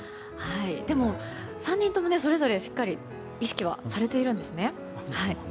３人ともそれぞれしっかり意識はされているんですね。